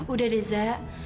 udah deh za